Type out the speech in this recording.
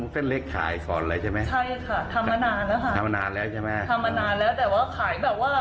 พอในสิ่งไม่ค่อยได้ถนลงไปไงฮะขายแบบทั่ว